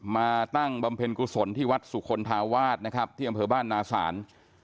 มาตั้งบำเพ็ญกุศลที่วัดสุคลธาวาสนะครับที่อำเภอบ้านนาศาล